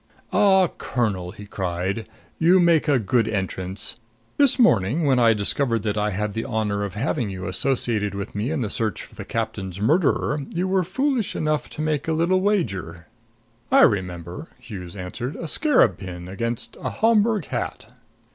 "Ah, Colonel," he cried, "you make a good entrance! This morning, when I discovered that I had the honor of having you associated with me in the search for the captain's murderer, you were foolish enough to make a little wager " "I remember," Hughes answered. "A scarab pin against a Homburg hat."